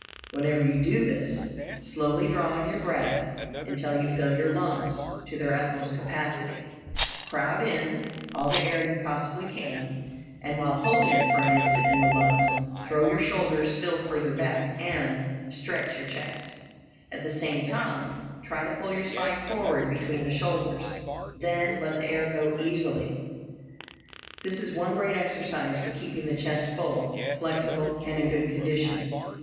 Whenever you do this, slowly draw in your breath until you fill your lungs to their utmost capacity; "crowd in" all the air you possibly can; and while holding it for an instant in the lungs, throw your shoulders still further back, and stretch your chest; at the same time try to pull your spine forward between the shoulders. Then let the air go easily. This is the one great exercise for keeping the chest full, flexible, and in good condition.